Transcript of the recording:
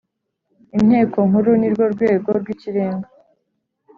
Inteko Nkuru nirwo rwego rw ikirenga